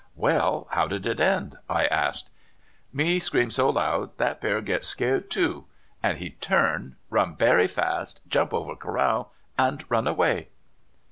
*' Well, how did it end? " I asked. " Me scream so loud that bear get scared too, and he turn, run bery fast, jump over corral, and run away."